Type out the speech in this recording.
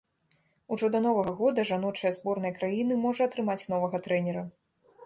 Ужо да новага года жаночая зборная краіны можа атрымаць новага трэнера.